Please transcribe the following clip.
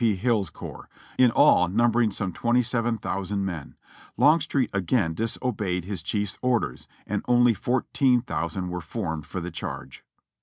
P. Hill's corps ; in all number ing some twenty seven thousand men. Longstreet again dis obeyed his chief's orders, and only 14,000 were formed for the charge.